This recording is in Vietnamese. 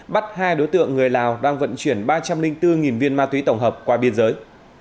bắt hai đối tượng người lào đang vận chuyển ba trăm linh bốn viên ma túy tổng hợp qua biên giới